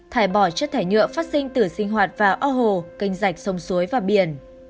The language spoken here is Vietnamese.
thải bỏ chất thải nhựa phát sinh từ sinh hoạt vào ốc hồ canh rạch sông suối và biển